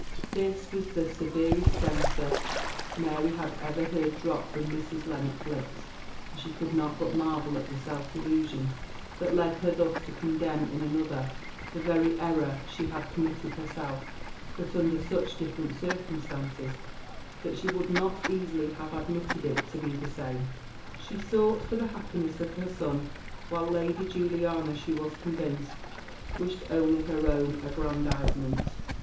This was the severest censure Mary had ever heard drop from Mrs. Lennox's lips; and she could not but marvel at the self delusion that led her thus to condemn in another the very error she had committed herself, but under such different circumstances that she would not easily have admitted it to be the same. She sought for the happiness of her son, while Lady Juliana, she was convinced, wished only her own aggrandisement.